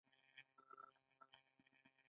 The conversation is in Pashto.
د اوسپنې ارزښت په کلنګ او بېلچه کې دی